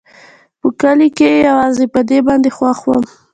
په کلي کښې يوازې په دې باندې خوښ وم.